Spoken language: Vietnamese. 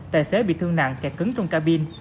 tài xế bị thương nặng kẹt cứng trong cabin